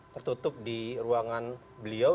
tertutup di ruangan beliau